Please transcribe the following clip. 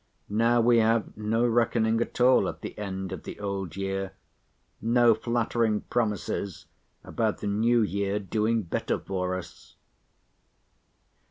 Now we have no reckoning at all at the end of the old year—no flattering promises about the new year doing better for us."